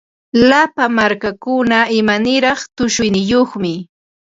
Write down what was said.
Llapa markakuna imaniraq tushuyniyuqmi.